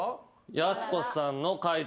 やす子さんの解答